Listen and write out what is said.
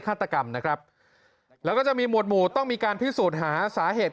ฆาตกรรมนะครับแล้วก็จะมีหวดหมู่ต้องมีการพิสูจน์หาสาเหตุ